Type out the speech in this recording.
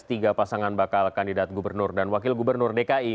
tiga pasangan bakal kandidat gubernur dan wakil gubernur dki